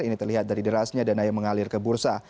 ini terlihat dari derasnya dana yang mengalir ke bursa